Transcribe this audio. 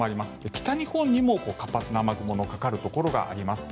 北日本にも活発な雨雲のかかるところがあります。